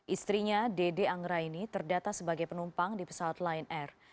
istrinya dede angraini terdata sebagai penumpang di pesawat lion air